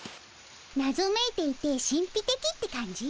なぞめいていて神ぴてきって感じ？